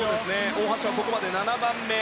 大橋はここまで７番目。